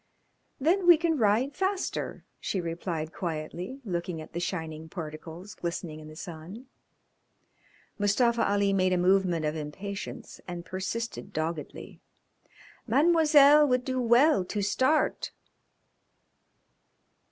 "Then we can ride faster," she replied quietly, looking at the shining particles glistening in the sun. Mustafa Ali made a movement of impatience and persisted doggedly. "Mademoiselle would do well to start."